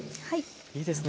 いいですね。